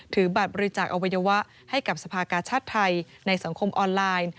ถือบัตรบริจาคอวัยวะให้กับสภากาชาติไทยในสังคมออนไลน์